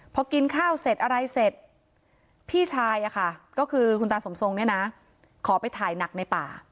พอกินข้าวเสร็จอะไรเสร็จพี่ชายก็คือคุณตาสมทรงเนี่ยนะขอไปถ่ายหนักในป่า